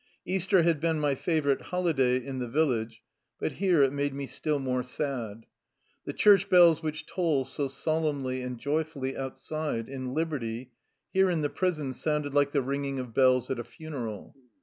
Easter had been my favorite holiday in the village, but here it made me still more sad. The church bells which toll so solemnly and joyfully outside, in liberty, here in the prison, sounded like the ringing of bells at a funeral.